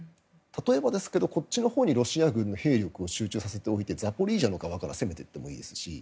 例えばですがこっちのほうにロシア軍の戦力を集中させておいてザポリージャの側から攻めていってもいいですし。